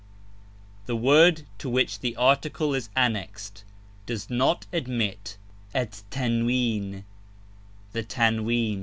The word to which the article is annexed does not admit yi^J I et tanwin, ' the tanwin.'